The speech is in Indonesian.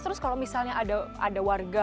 terus kalau misalnya ada warga